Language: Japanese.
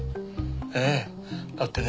ええだってね